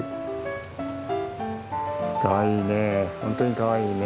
かわいいね